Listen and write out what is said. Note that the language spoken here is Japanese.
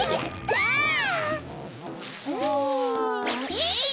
えい。